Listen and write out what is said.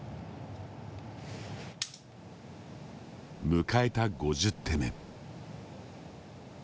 迎えた５０手目。